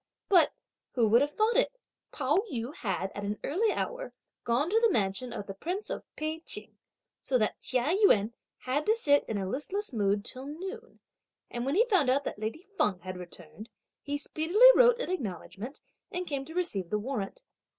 But, who would have thought it, Pao yü had, at an early hour, gone to the mansion of the Prince of Pei Ching, so that Chia Yün had to sit in a listless mood till noon; and when he found out that lady Feng had returned, he speedily wrote an acknowledgment and came to receive the warrant.